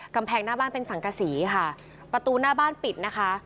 กำแพงหน้าบ้านเป็นสังกษีค่ะประตูหน้าบ้านปิดนะคะ